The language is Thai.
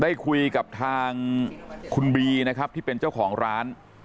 ได้คุยกับทางคุณบีนะครับที่เป็นเจ้าของร้าน